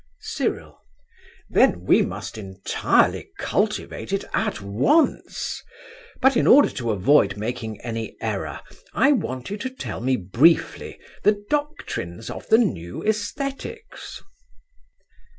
CYRIL. Then we must entirely cultivate it at once. But in order to avoid making any error I want you to tell me briefly the doctrines of the new æsthetics.